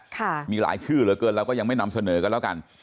ค่ะมีหลายชื่อเหลือเกินเราก็ยังไม่นำเสนอกันแล้วกัน